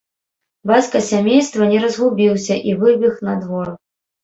Бацька сямейства не разгубіўся і выбег на двор.